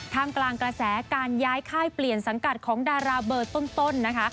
กลางกระแสการย้ายค่ายเปลี่ยนสังกัดของดาราเบอร์ต้นนะคะ